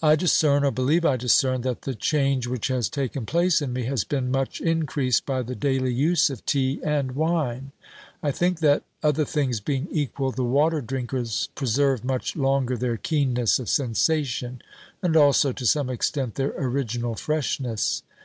I discern, or believe I discern, that the change which has taken place in me has been much increased by the daily use of tea and wine. I think that, other things being equal, the water drinkers preserve much longer their keenness of OBERMANN 271 sensation, and also to some extent their original fresh ness.